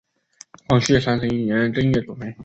光绪三十一年正月组成。